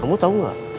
kamu tahu gak